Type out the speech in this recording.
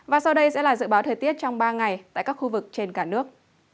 và sau đây sẽ là dự báo thời tiết trong ba ngày tại các khu vực trên cả nước